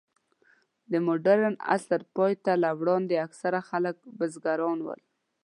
د مډرن عصر پای ته له وړاندې، اکثره خلک بزګران ول.